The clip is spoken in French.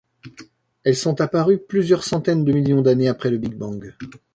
Elles sont apparues plusieurs centaines de millions d'années après le Big Bang.